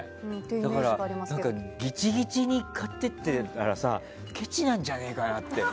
だから、ギチギチに買っていったらケチなんじゃねえかなって。